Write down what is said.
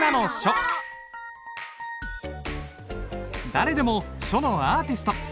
誰でも書のアーティスト。